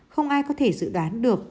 không ai có thể dự đoán được